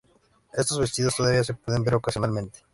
Estos vestidos todavía se pueden ver ocasionalmente.